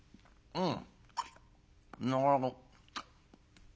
うん」。